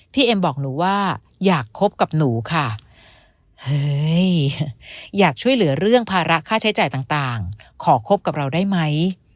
เอ็มบอกหนูว่าอยากคบกับหนูค่ะเฮ้ยอยากช่วยเหลือเรื่องภาระค่าใช้จ่ายต่างขอคบกับเราได้ไหม